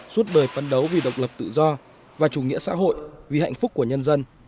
suốt đời phấn đấu vì độc lập tự do và chủ nghĩa xã hội vì hạnh phúc của nhân dân